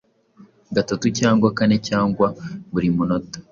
gatatu cyangwa kane cyangwa buri munota,